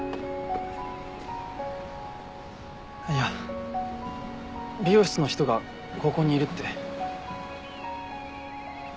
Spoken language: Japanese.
あっいや美容室の人がここにいるって。